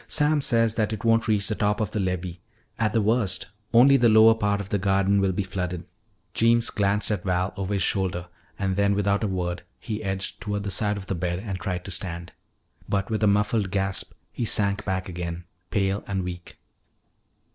"Sam says that it won't reach the top of the levee. At the worst, only the lower part of the garden will be flooded." Jeems glanced at Val over his shoulder and then without a word he edged toward the side of the bed and tried to stand. But with a muffled gasp he sank back again, pale and weak.